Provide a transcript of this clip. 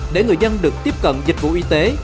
để người dân được tiếp cận dịch vụ y tế